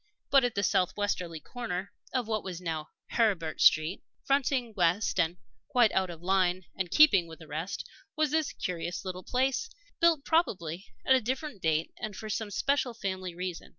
But at the southwesterly corner of what was now Heribert Street, fronting west and quite out of line and keeping with the rest, was this curious little place, built probably at a different date and for some special family reason.